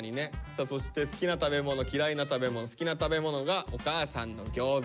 さあそして好きな食べ物嫌いな食べ物好きな食べ物が「お母さんのギョーザ」。